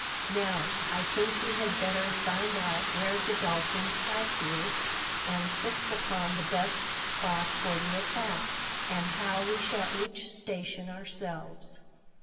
Now I think we had better find out where Godolphin's house is, and fix upon the best spot for the attack, and how we shall each station ourselves."